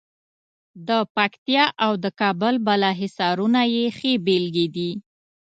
د پکتیا او د کابل بالا حصارونه یې ښې بېلګې دي.